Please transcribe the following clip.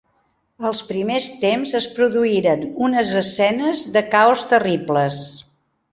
Els primers temps es produïren unes escenes de caos terribles.